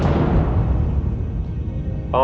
merongrong kewibawaan kerajaan galung